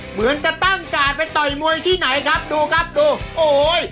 เหมือนจะตั้งการ์ดไปต่อยมวยที่ไหนครับดูครับดูโอ้โห